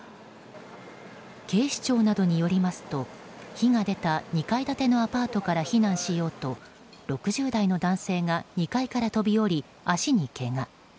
警視庁などによりますと火が出た２階建てのアパートから避難しようと６０代の男性が２階から飛び降り足にけが。